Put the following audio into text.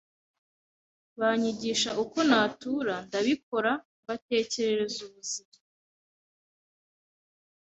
banyigisha uko natura ndabikora, mbatekerereza ubuzima